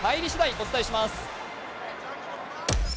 お伝えします。